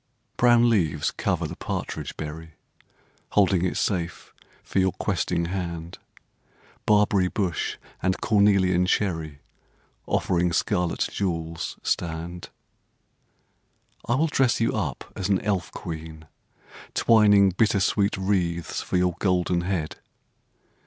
Brown leaves cover the partridge berry, \ Holding it safe for your questing hand. Barberry bush and cornelian cherry Offering scarlet jewels stand. I will dress you up as an elf queen, twining Bittersweet wreaths for your golden head.